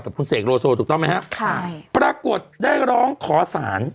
คุณเสกโลโซถูกต้องไหมฮะค่ะปรากฏได้ร้องขอสาร